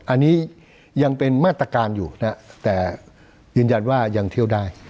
อันนี้ยังเป็นมาตรการอยู่นะแต่ยืนยันว่ายังเที่ยวได้